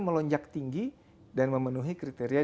melonjak tinggi dan memenuhi kriteria